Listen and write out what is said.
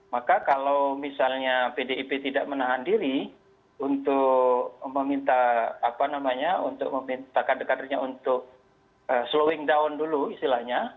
maka kalau misalnya pdip tidak menahan diri untuk meminta apa namanya untuk meminta kader kadernya untuk slowing down dulu istilahnya